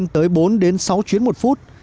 tới bốn đến sáu chuyến một phút